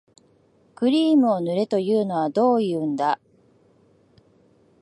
クリームを塗れというのはどういうんだ